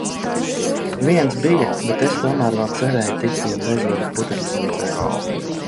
Viens bija, bet es tomēr vēl cerēju tikt pie bezvadu putekļusūcēja.